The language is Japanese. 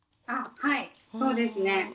はいそうですね。